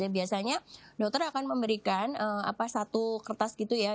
biasanya dokter akan memberikan satu kertas gitu ya